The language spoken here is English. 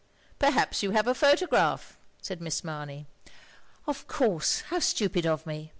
"Perhaps you have a photograph," said Miss Mamey. "Of course, how stupid of me.